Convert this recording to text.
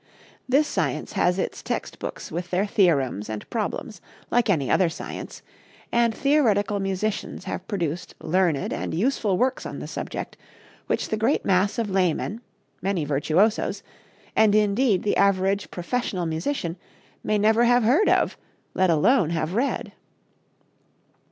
This science has its textbooks with their theorems and problems, like any other science, and theoretical musicians have produced learned and useful works on the subject which the great mass of laymen, many virtuosos, and indeed the average professional musician, may never have heard of, let alone have read.